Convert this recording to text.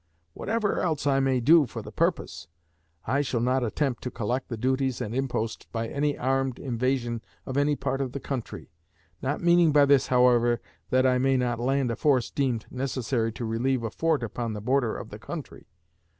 Whatever else I may do for the purpose, I shall not attempt to collect the duties and imposts by any armed invasion of any part of the country; not meaning by this, however, that I may not land a force deemed necessary to relieve a fort upon the border of the country.